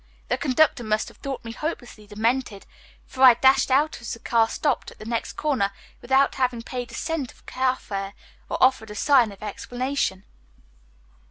The conductor must have thought me hopelessly demented, for I dashed out as the car stopped at the next corner without having paid a cent of carfare or offered a sign of an explanation.